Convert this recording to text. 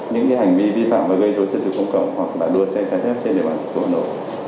những hành vi vi phạm và gây rối chân trực công cộng hoặc đua xe trái phép trên địa bàn thành phố hồ độ